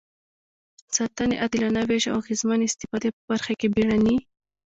ساتنې، عادلانه وېش او اغېزمنې استفادې په برخه کې بیړني.